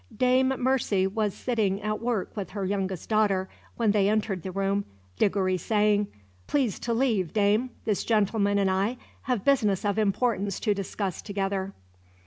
Dame Mercy was sitting at work with her youngest daughter when they entered the room, Diggory saying: "Please to leave, Dame. This gentleman and I have business of importance to discuss together."